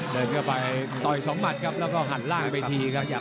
เดินเข้าไปต่อยสองหมัดครับแล้วก็หันล่างไปทีครับ